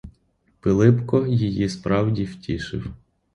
Пилипко її справді втішив.